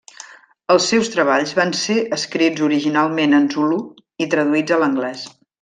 Els seus treballs van ser escrits originalment en zulu i traduïts a l'anglès.